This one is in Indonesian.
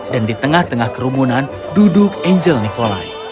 dan di tengah tengah kerumunan duduk angel nikolai